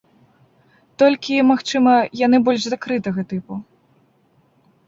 Толькі, магчыма, яны больш закрытага тыпу.